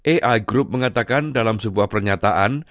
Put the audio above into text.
ai group mengatakan dalam sebuah pernyataan